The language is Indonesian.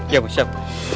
ya bu siap